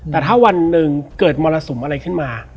แต่ถ้าวันหนึ่งเกิดมรสุมอะไรขึ้นมา